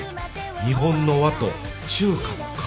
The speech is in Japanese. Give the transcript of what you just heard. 日本の「和」と中華の「華」